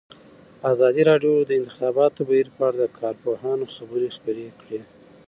ازادي راډیو د د انتخاباتو بهیر په اړه د کارپوهانو خبرې خپرې کړي.